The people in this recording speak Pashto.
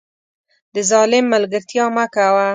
د ظالم ملګرتیا مه کوه